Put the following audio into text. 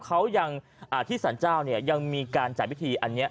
เขายังที่สรรเจ้าเนี่ยยังมีการจัดพิธีอันนี้